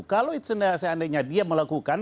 kalau seandainya dia melakukan